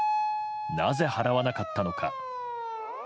なぜ払わなかったのか。